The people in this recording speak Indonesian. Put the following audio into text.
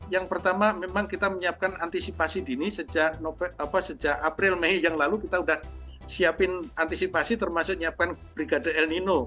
yang pertama memang kita menyiapkan antisipasi dini sejak april mei yang lalu kita sudah siapin antisipasi termasuk menyiapkan brigade el nino